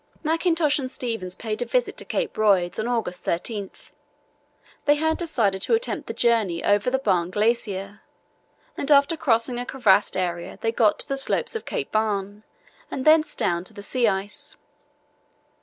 Mackintosh and Stevens paid a visit to Cape Royds on August 13. They had decided to attempt the journey over the Barne Glacier, and after crossing a crevassed area they got to the slopes of Cape Barne and thence down to the sea ice.